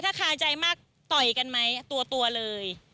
ถ้าคาใจมากต่อยกันไหมตัวเลย